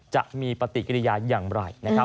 จะมีปฏิกิริยาอย่างไรนะครับ